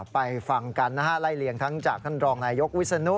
ไปฟังกันนะฮะไล่เลี่ยงทั้งจากท่านรองนายยกวิศนุ